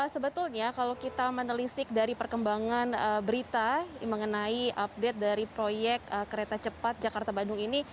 sebetulnya kalau kita menelisik dari perkembangan berita mengenai update dari proyek kereta cepat jakarta bandung ini